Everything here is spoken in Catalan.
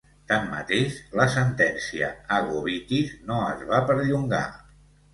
Tanmateix, la sentència a "Gobitis" no es va perllongar.